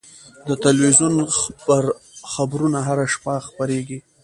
د تلویزیون خبرونه هره شپه خپرېږي.